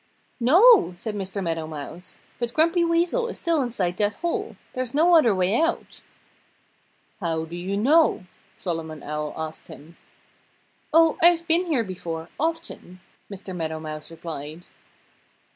"No!" said Mr. Meadow Mouse. "But Grumpy Weasel is still inside that hole. There's no other way out." "How do you know?" Solomon Owl asked him. "Oh, I've been here before, often," Mr. Meadow Mouse replied.